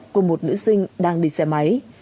của một nữ sinh đang đi xe máy